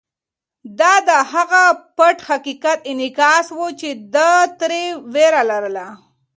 دا د هغه پټ حقیقت انعکاس و چې ده ترې وېره لرله.